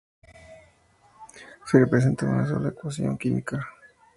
Se representa en una sola ecuación química.